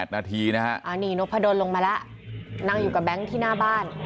๑๘นาทีนี่นบขดลลงมาแล้วนั่งอยู่กับแบงค์ที่หน้าบ้าน